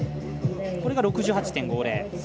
これが６８．５０。